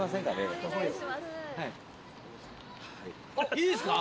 いいですか？